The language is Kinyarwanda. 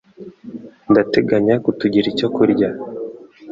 Ndateganya kutugira icyo kurya.